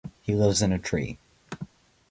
He lives in a tree.